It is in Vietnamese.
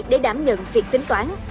để đảm nhận việc tính toán